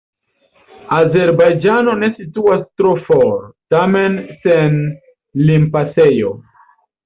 Azerbajĝano ne situas tro for, tamen sen limpasejo.